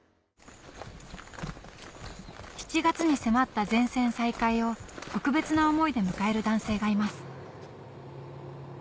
７月に迫った全線再開を特別な思いで迎える男性がいます